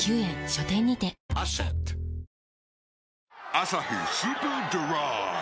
「アサヒスーパードライ」